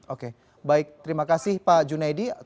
oke baik terima kasih pak junaidi